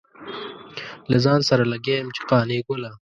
له ځان سره لګيا يم چې قانع ګله.